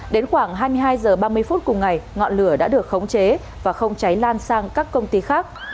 đến khoảng hai mươi hai h ba mươi phút cùng ngày ngọn lửa đã được khống chế và không cháy lan sang các công ty khác